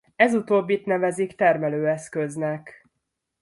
Ez utóbbit nevezik termelőeszköznek.